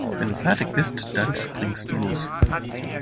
Wenn du fertig bist, dann springst du los.